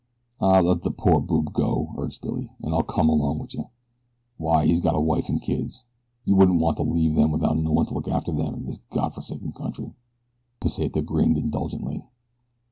"Aw, let the poor boob go," urged Billy, "an' I'll come along wit you. Why he's got a wife an' kids you wouldn't want to leave them without no one to look after them in this God forsaken country!" Pesita grinned indulgently.